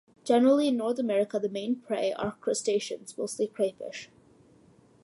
Generally in North America the main prey are crustaceans, mostly crayfish.